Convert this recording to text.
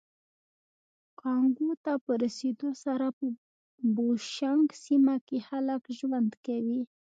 کانګو ته په رسېدو سره په بوشونګ سیمه کې خلک ژوند کوي